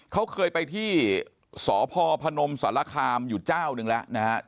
เขาเคยไปที่สพพนมสารคามอยู่เจ้าหนึ่งแล้วนะครับ